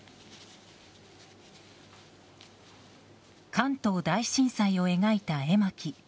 関東大震災を描いた絵巻。